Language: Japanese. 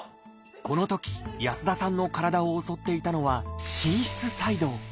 このとき安田さんの体を襲っていたのは「心室細動」。